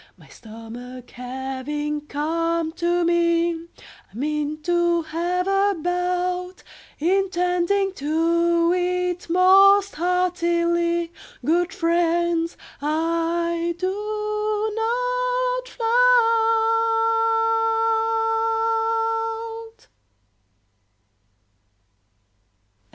My stomach having come to me, I mean to have a bout, Intending to eat most heartily; Good friends, I do not flout.